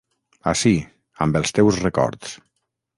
Ací, amb els teus records.